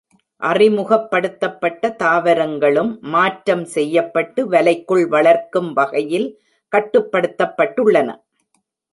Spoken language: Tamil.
அறிமுகப்படுத்தப்பட்ட தாவரங்களும் மாற்றம் செய்யப்பட்டு வலைக்குள் வளர்க்கும் வகையில் கட்டுப்படுத்தப்பட்டுள்ளன.